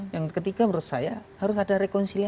yang ketiga menurut saya harus ada rekonsiliasi